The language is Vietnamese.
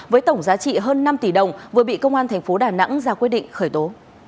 với tổng giá trị hơn năm tỷ đồng vừa bị công an thành phố đà nẵng ra quyết định khởi tố